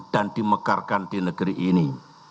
dan dimekarkan di negeri ini